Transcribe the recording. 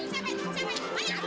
hey tidak ajar